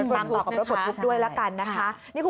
ตามต่อกับโปรดพลุกด้วยละกันนะคะ